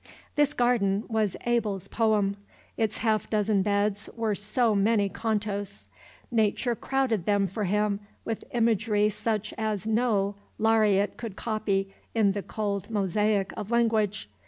This garden was Abel's poem. Its half dozen beds were so many cantos. Nature crowded them for him with imagery such as no Laureate could copy in the cold mosaic of language.